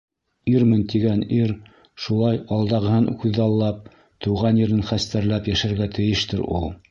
Ирмен тигән ир шулай алдағыһын күҙаллап, тыуған ерен хәстәрләп йәшәргә тейештер ул.